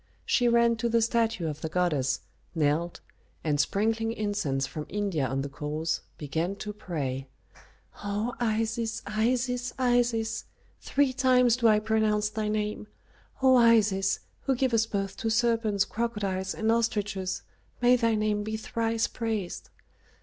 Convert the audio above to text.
She ran to the statue of the goddess, knelt, and sprinkling incense from India on the coals, began to pray, "O Isis, Isis, Isis! three times do I pronounce thy name. O Isis, who givest birth to serpents, crocodiles, and ostriches, may thy name be thrice praised.